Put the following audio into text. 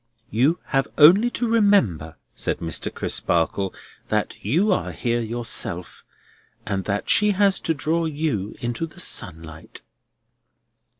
"You have only to remember," said Mr. Crisparkle, "that you are here yourself, and that she has to draw you into the sunlight."